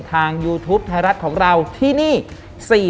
ยูทูปไทยรัฐของเราที่นี่